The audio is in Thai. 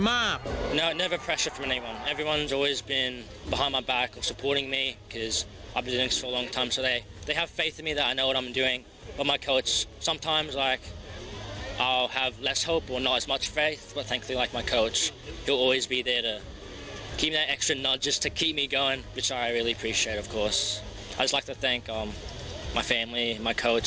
มันเป็นเมื่อการที่ดีมาก